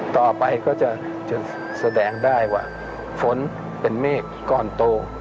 ต่อไปก็จะแสดงได้ว่าฝนเป็นเมฆก้อนโต